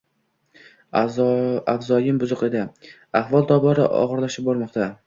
Avzoyim buzuq edi — ahvol tobora og‘irlashib bormoqda